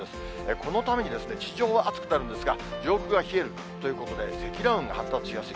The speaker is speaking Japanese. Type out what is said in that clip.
このために地上は暑くなるんですが、上空は冷えるということで、積乱雲が発達しやすい。